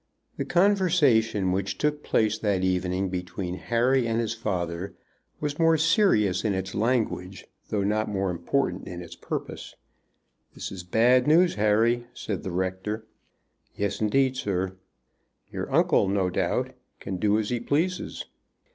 The conversation which took place that evening between Harry and his father was more serious in its language, though not more important in its purpose. "This is bad news, Harry," said the rector. "Yes, indeed, sir."' "Your uncle, no doubt, can do as he pleases."